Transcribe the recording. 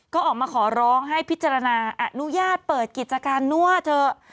ก็ออกมาขอร้องให้พิจารณาอนุญาตเปิดกิจการนั่วเถอะ